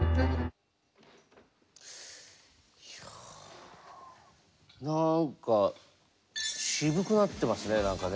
いやなんか渋くなってますね何かね。